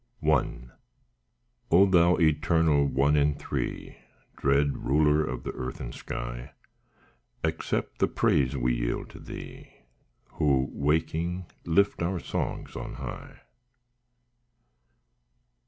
I O Thou Eternal One in Three, Dread Ruler of the earth and sky, Accept the praise we yield to Thee, Who, waking, lift our songs on high.